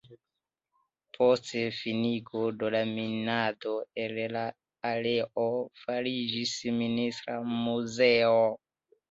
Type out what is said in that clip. Post finigo de la minado el la areo fariĝis Minista muzeo.